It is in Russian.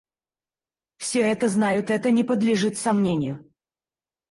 Все это знают; это не подлежит сомнению.